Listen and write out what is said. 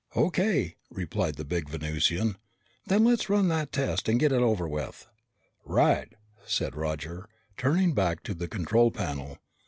"O.K.," replied the big Venusian. "Then let's run that test and get it over with." "Right," said Roger, turning back to the control panel.